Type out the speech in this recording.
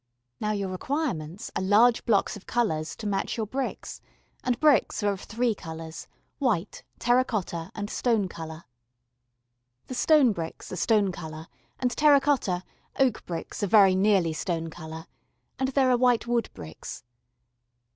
Now your requirements are large blocks of colours to match your bricks, and bricks are of three colours white, terra cotta, and stone colour. The stone bricks are stone colour and terra cotta oak bricks are very nearly stone colour and there are white wood bricks.